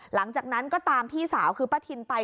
หลังจากนั้นก็ตามพี่สาวคือป้าทินไป